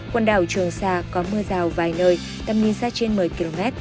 quần đảo trường sa có mưa rào vài nơi tầm nhìn xa trên một mươi km